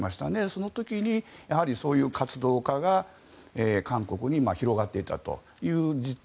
その時に、そういう活動家が韓国に広がっていたという実態。